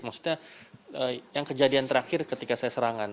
maksudnya yang kejadian terakhir ketika saya serangan